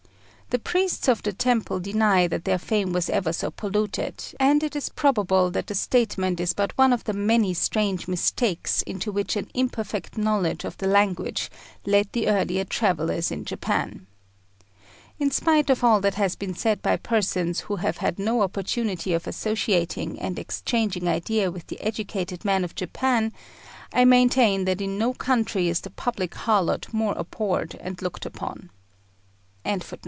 The priests of the temple deny that their fane was ever so polluted, and it is probable that the statement is but one of the many strange mistakes into which an imperfect knowledge of the language led the earlier travellers in Japan. In spite of all that has been said by persons who have had no opportunity of associating and exchanging ideas with the educated men of Japan, I maintain that in no country is the public harlot more abhorred and looked down upon.